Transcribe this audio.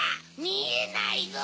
みえないぞ！